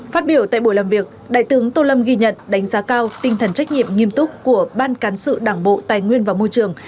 phát biểu tại buổi làm việc đại tướng tô lâm ghi nhận đánh giá cao tinh thần trách nhiệm nghiêm túc của ban cán sự đảng bộ tài nguyên và môi trường